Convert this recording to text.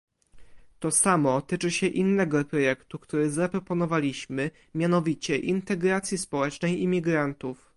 To samo tyczy się innego projektu, który zaproponowaliśmy, mianowicie integracji społecznej imigrantów